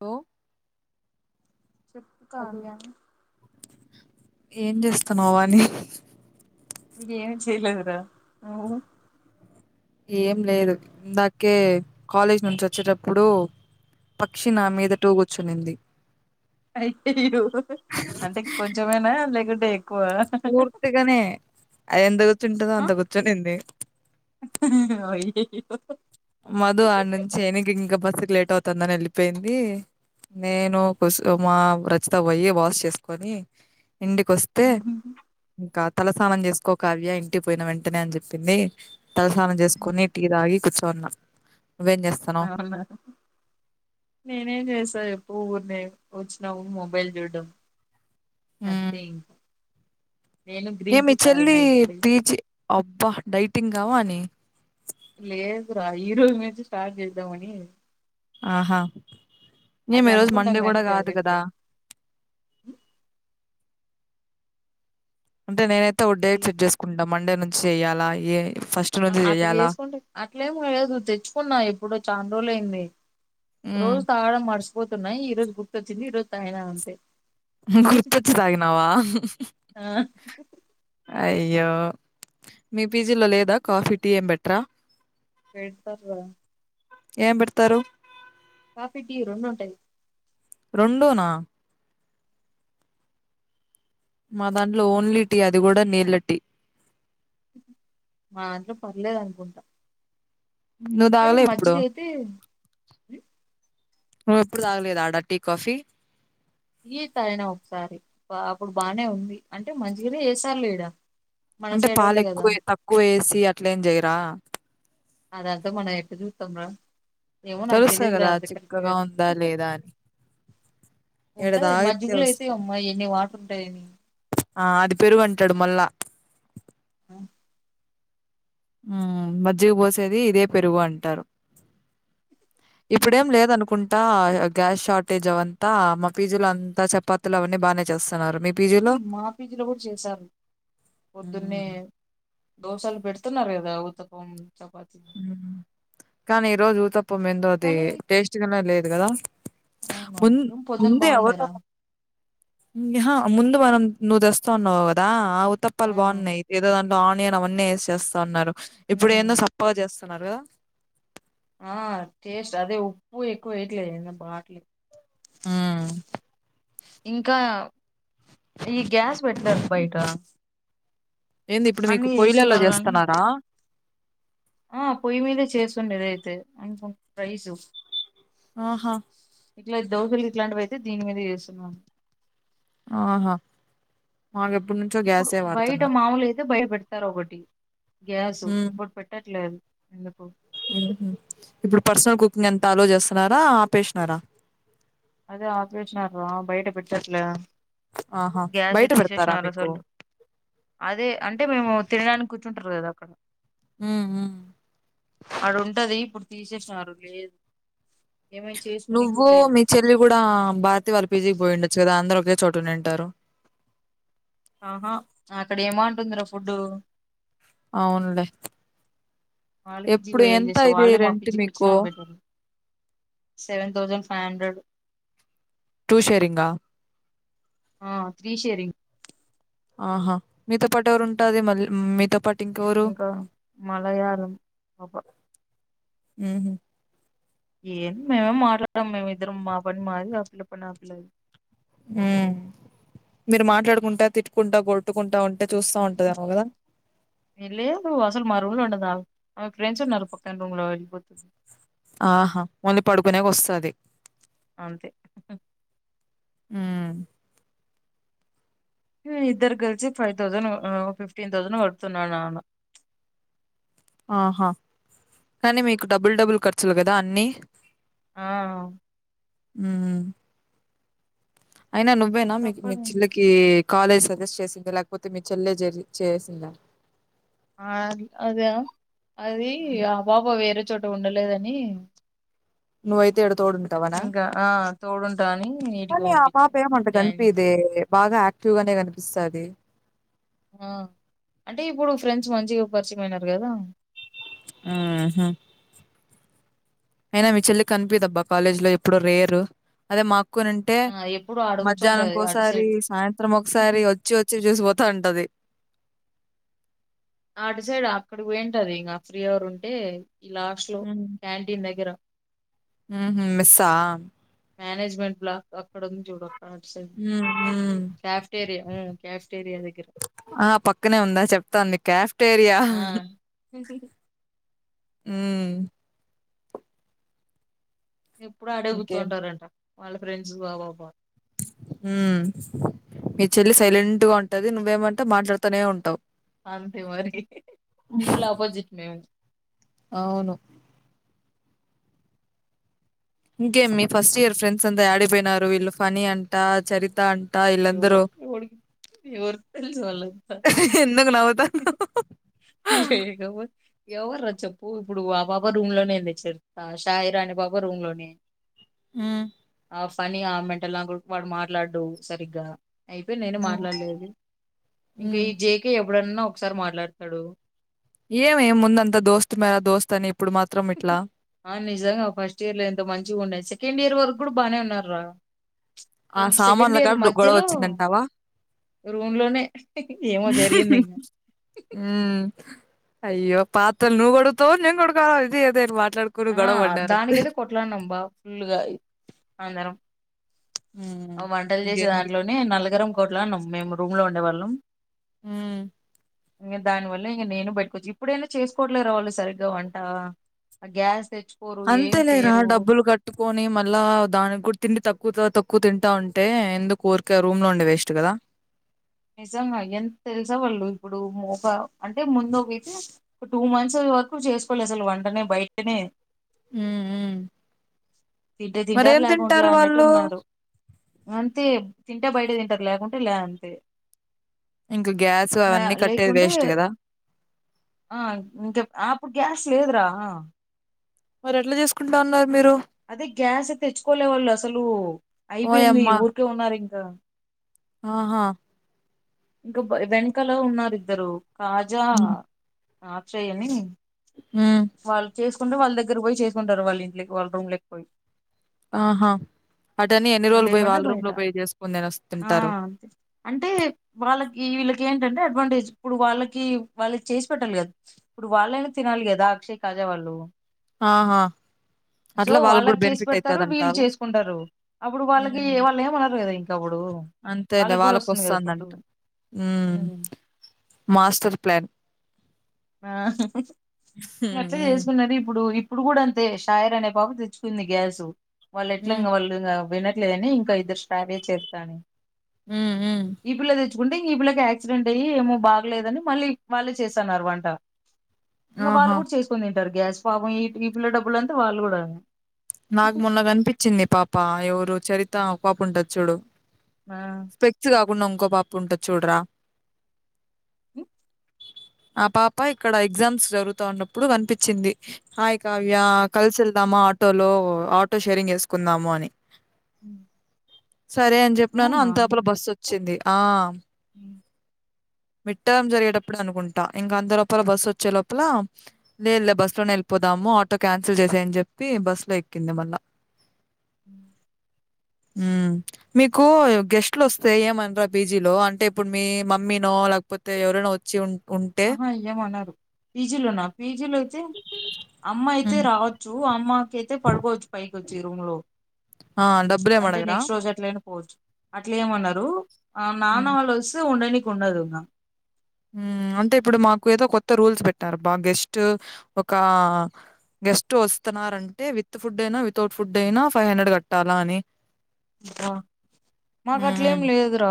ఓ చెప్పు కావ్య ఏం జేస్తన్నావని ఏం చేయలేదు రా హ్మ్ ఏం లేదు ఇందాకే కాలేజ్ నుంచి వచ్చేటప్పుడు పక్షి నా మీద టూ కూర్చునింది అయ్యో అంటే కొంచెమేనా లేకుంటే ఎక్కువ పూర్తిగనే అది ఎంత కూర్చుంటుందో అంత కూర్చునింది అయ్యో మధు ఆడ్ నుంచి ఇంక బస్ ఏక్ లేట్ అవుతుందని వెళ్ళిపోయింది నేను కుసుమ రచిత పోయి వాష్ చేసుకొని కిందికొస్తే ఇంక తలస్నానం చేసుకో కావ్య ఇంటి పోయిన వెంటనే అన్ చెప్పింది తలస్నానం జెసుకొని టీ తాగి తోన్నా అవునా నేనేం చేసా చెప్పు ఊర్నే వచ్చినాం మొబైల్ చూడ్డం అంతే ఇంగ ఏం మీచెల్లీ ఇప్పుడే పీజి బా డైటింగా వాని లేదు రా ఈరోజు నుంచి స్టార్ట్ చేద్దామని ఆహా అది ఏమి ఈ రోజు అనుకుంటాం మండే కానీ గుడా కాదు కదా జరగట్లేదు అంటే నేనైతే డేట్ సెట్ చేసుకుంటా మండే చేయాల ఏ ఫస్ట్ నుంచి అట్ జెయ్యాలా? చేసుకుంటే అట్లేమ్ లేదు తెచ్చుకున్నా ఎప్పుడో చాల రోజులు అయింది హ్మ్. రోజు తాగడం మడుస్ పోతున్నాయి ఈ రోజు గుర్తొచ్చింది ఈ రోజు తాగిన అంతే గుర్తొచ్చి తాగినావా ఆ అయ్యో మీ పిజిలో లేదా కాఫీ టీ ఏం పెట్రా పెడ్తర్ గా ఏం పెడతారు కాఫీ టీ రొండు ఉంటది రొండు నా మా దాంట్లో ఓన్లీ టీ అది గుడా నీళ్ల టీ మా దాంట్లో పర్లేదు అనుకుంటా నువ్వు కానీ తాగలే ఎప్పుడు? మజ్జిగ అయితే నువ్వు ఎప్పుడు తాగలేదా ఆడ టీ కాఫీ ఈ తాగిన ఒకసారి అప్పుడు బానే ఉంది అంటే మంచిగనే ఏస్సార్ లే ఈడ మన అంటే పాలు సైడోళ్ళే కదా ఎక్కువ తక్కువ వేసి అట్లేం జేయిరా అద అంత మనం ఎట్ట జూత్తం రా ఏమో నాకు తెలుస్తాద్ తెలీదురా కదా అంత కరెక్ట్ గా చిక్కగా ఉందా లేదా అని ఈడ ఉంటది తాగితే మజ్జిగులో అయితే అమ్మా ఎన్ని వాట ఉంటాయిని ఆద్ పెరుగు అంటాడు మళ్ళా హ్మ్ మజ్జిగ పోసేది ఇదే పెరుగు అంటారు ఇప్పుడేం లేద్ అనుకుంట ట గ్యాస్ షార్టేజ్ అవంతా మా పీజి లో అంతా చపాతిలు అవన్నీ బాగానే చేస్తున్నారు మీ పీజీలో మా పీజీలో కూడా చేశారు పొద్దున్నే దోశలు పెడుతున్నారు కదా ఉతపం చపాతి హ్మ్ కానీ ఈ రోజు ఊతప్పమ్ ఎందో అది కానీ టేస్ట్గానే లేదు కదా అవునా మున్ ఏం పొద్దున ముందే బాగుండారా ఆహా ముందు మనం నువ్ తెస్తవ అన్నవువదా ఆ ఉతప్పల్ ఆ బాగున్నాయి ఎదో అం ఆనియన్ అవన్నీ వేస్ చేస్తా ఉన్నారు. ఇప్పుడు ఏందో ఉమ్ సా బా చేస్తున్నారు ఆ టేస్ట్ అదే ఉప్పు ఎక్కువ వేయట్లేదు ఏన్న బాటిలు ఇంకా ఈ గ్యాస్ పెట్టలేర్ బయట ఏంది ఇప్పుడు మీకు అన్ని పొయ్యలలో చేస్తున్నారు గానీ చేస్తున్నారా ఆ పొయ్యి మీదే చేస్తుండడి ఏదైతే ఇంక ప్రైస్ ఆహా ఇట్లా దోశలకి ఇట్లాంటివి పోయితే దీని మీద చేస్తున్నాను ఆహో ఇప్పుడు బయట మాములు అయితే బయ పెడతారు ఒకటి గ్యాస్ హ్మ్ ఇప్పుడు పెట్టట్లేదు ఎండ ప ఇప్పుడు పర్సనల్ కుకింగ్ ఎంత ఆలో చేస్తున్నారా ఆపేసినారా అదే ఆప్రేషన్ బయట పెట్టట్లే ఆహా గ్యాసే బయట పెడతారా తీసేసిన మీకు అసలు అదే అంటే మేము తినడానికిర్చ చంటారు కదా అక్కడ హ అడుంటది ఇప్పుడు తీసేసినారు లేదు ఏమనా చేసుకునేది నువ్వు లేదు మీ చెల్లి కూడా భారతి వాళ్ళ పీజీ పోయి ఉండొచ్చు కదా అందరు ఒకే చోట నింటారు ఆహా అక్కడ ఏమంటుందిరా ఫుడ్డు అవునులే వాళ్ళు పిజ్జి ఎప్పుడు పోం ఎంత చేసా ఇది వాళ్ళు మా రెంట్ పిజ్జి మీకు కూర్చుినబటారు seven thousand five hundred two sharing ఆ త్రీ షేరింగ్ ఆహా మీతో పాటు ఎవరు ఉంటుది మళ్ళీ మీతో పాటు ఇంకెవరు ఇంకా మలయాళం పాప మ్మ్ హ్మ్ ఏం మేమేం మాట్లాడం మేమి ఇద్దరం మా పని మాది ఆ పిల్ల పని ఆ పిల్లది మ్మ్ మీరు మాట్లాడుకుంటా తిట్టుకుంటా కొట్టుకుంటా ఉం మ్మ్ హ్మ్ లేదు అసలు మా రూమ్ లో ఉండదా ఆమె ఫ్రెండ్స్ వున్నారు పక్కన రూమ్ లో వెళ్లిపోతుంది ఆహా ఓన్లీ పడుకునేకి వస్సాది అంతే హ్మ్ ఈ ఇద్దరు కలిసి ఫైవ్ థౌజండ్ ఆ ఫిఫ్టీన్ థౌజండ్ కడుతున్నాడు నాన్న. ఆహా కానీ మీకు డబుల్ డబుల్ ఖర్చులు కదా అన్నీ ఆ ఉమ్ హు అయినా నువ్వేనా మీకు మీ తప్పదు చెల్లకి కాలేజ్ సజెస్ట్ చేసింది లేకపోతే మీ చెల్లె జేరి చేసిందా ఆ అద అది ఆ పాప వేరే చోట ఉండలేదని నువో ఇంకా ఆ తోడుంటా అని ఇటీకి పంపించి జాయిన్ బాగ యాక్టివ్ గానే కనిపిస్తది ఆ అంటే ఇప్పుడు ఫ్రెండ్స్ మంచిగ పరిచయంమయిైనరు కదా హ్మ్ హు అయిన మీ చెల్లి కనిపిదబ్బ కాలేజ్ లో ఎప్పుడో రేరు అదే మాకు కునింటే ఆ ఎప్పుడు ఆడ కూర్చుంటది మధ్యాహ్నంకో అటు ఒకసారి సైడ్ సాయంత్రం ఒకసారి వచ్చి వచ్చి చూసిపోతా ఉంటది అటు సైడ్ అక్కడ పాయింటదీ ఇంకా ఫ్రీ అవర్ ఉంటే ఈ లాస్ట్ లో క్యాంటీన్ దగ్గర హమ్మ్ మిస్సా మేనేజ్మెంట్ బ్లాక్ అక్కడ ఉంది చూడు అటు సైడ్ హ్మ్. హ్మ్. క్యాఫీటెరియా ఉ క్యాఫీటెరియా దగ్గర ఆ పక్కనే ఉందా చెప్తాను నీకు క్యాఫ్టేరియా ఆ హ్మ్ ఎప్పుడు ఆడే ఇంకేం కుచ్చొంటారంట వాళ్ళ ఫ్రెండ్స్ ఆ పాప హ్మ్ మీ చెల్లి సైలెంట్ గా ఉంటది నువ్వేమంటె మాట్లాడుతూనే ఉంటావు అంతే మరి ఫుల్ ఆపోజిట్ మేము అవును ఇంకేం మీ ఫస్ట్ ఇయర్ ఫ్రెండ్స్ అంతా ఆడిపోయినారు వీళ్ళు ఫనీ అంటా చరిత అంట యో వీళ్ళందరూ యావడ్ యావత్ వలంత ఎందుకు నవ్వుతాన్నావ్ లేకపోతే ఎవర్రా చెప్పు ఇప్పుడు ఆ పాప రూమ్ లోనే ఉంది చిత షాయిరా అనే పాప రూమ్ లోనే ఆ ఆ ఫనీ ఆ మెంటల్ నా కొడుకువ వాడు మాట్లాడు సరిగ్గా అయిపోయి నేను హ్మ్ మాట్లాడలేదు ఇంకా హ్మ్ ఈ జేకే ఇప్పుడన్నా ఒకసారి మాట్లాడతడు ఏమే ముందంత దోస్తున్నారా దోస్తత్ అని ఇప్పుడు మాత్రం ఇట్లా ఆ నిజంగా ఫస్ట్ ఇయర్ లో ఎంత మంచిగా ఉండే సెకండ్ ఇయర్ వరకు కూడా బాగానే ఉన్నారా ఆ సామాన్ల కాడ గొడవ వచ్చిందంటావా రూమ్ లోనే ఏమో జరిగింది ఇంకా ఆ అయ్యో పాత్రలు నువ్ గడుగుతవ నేన్ గడగల ఇది అద అని వా ఆ దానికయితే కొట్లాన్నాం బా ఫుల్గా అందరం హ్మ్. అ వంటలు చేసే ఇంకేంది దాంట్లోనే నల్లగరం కొట్లానం మేమ్ రూమ్ లో ఉండేవాళ్ళం ఊ ఇంగ దాని వల్ల ఇంగ నేను బయటకోచ్చ ఇప్పుడైనా చేసుకోవట్లే రవళి సరిగ్గా వంట ఆ గ్యాస్ తెచ్చు అంతే లేరా డబ్బులు కట్టుకొని మళ్ళా దానికి కూడా తిండి తక్ కుతా తక్కువ తింటా ఉంటే ఎందుకు ఊర్కే ఆ రూమ్ లో ఉండే వేస్ట్ కదా నిజంగా ఎంత తెలుసా వాళ్ళు ఇప్పుడు మోక అంటే ముందు వతే ఇపుడు టూ మంత్స్ వరకు జెస్కోలే అసలు వంటనే బయటనే ఊ ఊ తింటే తింటారు లేకుంట్లా అన్నట్టు ఉన్నారు అంతే తింటే బయట తింటారు లేకుంటే లే అంతే ఇంక గ్యాస్ నా అవన్నీ కట్టేది లేకుంటే వేస్ట్ గదా! ఆ ఇంకా ఆ అప్పుడు గ్యాస్ లేదురా ఆ మరి ఎట్లా చేసుకుంటా ఉన్నారు మీరు? అదే గ్యాస్ తెచ్చుకోలే వాళ్ళు అసలు అయిపోయింది ఓయమ్మ! ఊరికే ఉన్నారు ఇం క ఆహా ఇంకా బ వెనకలో ఉన్నారు ఇద్దరు కాజా హ్మ్. ఆ చేయని హ్మ్. వాళ్ళు చేస్ కుంటే వాళ్ళ దగ్గర ఒయి చేసుకుంటారు వాళ్ళ ఇంట్లకి వాళ్ళ రూమ్లకు పోయి ఆహా అటన్నీ ఎన్ని రోజులు పోయి లేకుంటే వాళ్ళ రూమ్ బయట లో పోయి జేసుకొని ఆ తినస్తుంటారు అంతే అంటే వాళ్ళకి వీళ్ళకి ఏంటంటే అడ్వాంటేజ్ ఇప్పుడు వాళ్ళకి వాళ్ళకి చేసి పెట్టాలి కదా ఇప్పుడు వాళ్ళైనా తినాలి కదా అక్షయ్ కాజా వాళ్ళు ఆహా! సో అట్లా గూడా వాళ్ళకి చేసి బెనిఫిట్ పెడతారు వీళ్ళు అయితదంటావా? చేసుకుంటారు అప్పుడు వాళ్ళకి హ్మ్. వాళ్ళు ఏమనరు కదా ఇ అంతేలే వాళ్ళకు ఫుడ్ వస్సందంట ఉమ్ మాస్టర్ ప్లాన్ ఆ హ్మ్. అట్లే హ్మ్. చేసుకున్నది ఇప్పుడు ఇప్ ఇప్పుడు కూడా అంతే షాయర్ అనే పాప తెచ్చుకుంది గ్యాస్ వాళ్ళు ఎట్లా హ్మ్. వాళ్ళు ఇంగ వినట్ లేదని ఇంకా ఇద్దరు స్టరే చెప్పాను హ్మ్. హ్మ్. ఈ పిల్లది ఇప్పుడంటే ఆ పిల్లకి యాక్సిడెంట్ అయ్యి ఏమో బాగలేదని ఇప్పుడు వాళ్ళే చేసన్నరు వంట టా ఇంగ వాళ్ళు ఆహా! కూడా చేసుకోలేరు టార్ గ్యాస్ ఫామ్ అయ్యే టీ పిల్ల డబ్బులు అంతా వాళ్ళు కూడా నాకు మొన్న గన్పించింది పాప ఎవరు చరిత్ ఆ పాప ఉంటాది చూడు ఆ కుండ ఇంకో పాప ఉంటది చూడరా మీ ఆ పాప ఇక్కడ ఎగ్జామ్స్ జరుగుతా ఉన్నప్పుడు కనిపించింది హాయ్ కావ్య కల్సి ఎల్ నమాట్ ఆటోలో ఆటో షేరింగ్ చేేసుకుందాము అని అ సరే అని చెప్ననాను అంతే ఆ పిల్ల బస్ వచ్ వచ్చింది ఆ హ్మ్. మిడ్ టర్మ్ జరిగేటప్పుడు అనుకుంటా ఇంకా అంత లోపల బస్సు వచ్చే లోపల లేదు లే బస్సు లోనే వెళ్ళిపోదాము ఆటో క్యాన్సిల్ చేసేయని చెప్పి బస్సులో ఎక్కింది మళ్ళా ఉమ్ ఉమ్ మీకు గెస్ట్లు వస్తే ఏమనరా పీజీలో అంటే ఇప్పుడు మీ మమ్మీ నో లేకపోతే ఎవరైనా వచ్చి ఉనా ఆహా ఇంకేంమనరు పీజీలోనా పీజీలో అయితే అమ్మ అయితే హ్మ్ రావచ్చు అ కేతే పడుకో వచ్చు పైకి వచ్చి రూమ్ లో ఆ డబ్బులేే మడగరా పోచ్చు అట్లా ఏమనరు ఆ నానా హ్మ్ వాళ్ళు వస్తే ఉండనియి ఉన్నదున్నా ఉమ్ అంటే ఇప్పుడు మాకు ఏదో కొత్త రూల్స్ పెట్టారు బా గెస్ట్ ఒక గెస్ టు వస్తున్నారంటే విత్ ఫుడ్ అయినా వితౌట్ ఫుడ్ అయినా ఫైవ్ హండ్రెడ్ కట్టాలా అని ఆ మాకు అట్లే ఏం హ్మ్ లేదు రా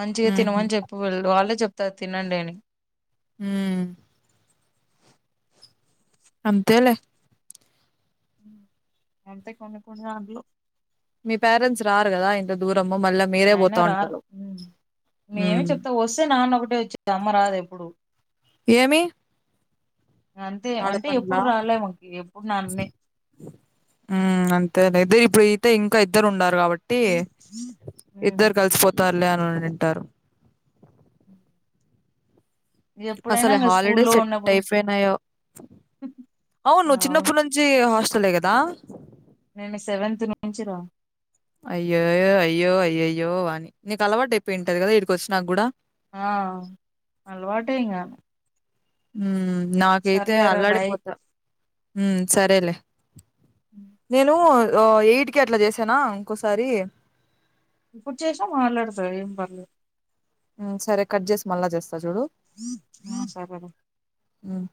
మంచిగా హుహు. తినమని చెప్పి వెళ్ళదు వాళ్ళే చెప్ప తినండి అని ఉమ్ అంతే లే ఉమ్ అంతే కొన్ని కొన్ని డాంట్లో మీ పేరెంట్స్ రారు కదా ఎంత దూర ఆయన రారు మేమి ఉమ్ చెప్తా వస్తే నాన్న ఒకటే వచ్చేది అమ్మ రాదు ఎప్పుడు అంతే ఆడ అంటే పర్లా ఎప్పుడు రాలే మాకి ఎప్పుడు నాన్నే ఉమ్ అంతే లే ఇపుడేతే ఇంకా ఇద్దరు ఉండాలారు కాబట్టి ఉమ్ ఇద్దరు కలిసిపోతారు కళ్యాణ తంటారు ఉ అసలు హాలిడే స్కూల్లో సెట్ ఉన్నప్పుడు అయిపోయినాయో అవును చిన్నప్పుడు నుంచి హస్ టలే కదా నేను సెవెన్త్ నుంచి రా అయ్యోయో అయ్యో అయ్యయ్యో వాని నీకు అలవాటు అయిపోయింటది కదా ఇకడికి వచినా కుడా ఆ అలవాటే ఇంగ ఉమ్ నాకైతే సర్లేరా బాయ్ అల్లాడిపోతా ఉమ్ సరేలే నేను ఎయిటకి అట్లా చేసానా ఇంకోసారి ఇప్పుడు చుసిన మాట్లాడతాడు ఏం పర్లేదు ఉ సరే కట్ చేసి మళ్ళ జస్త చడు ఆ సరేరా ఉమ్